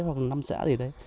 hoặc năm xã gì đấy